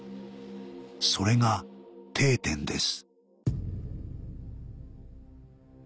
それが「定点」です